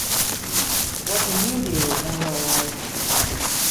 What do you do in real life?